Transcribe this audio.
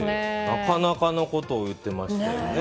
なかなかのことを言ってましたよね。